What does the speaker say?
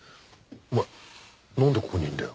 お前なんでここにいるんだよ？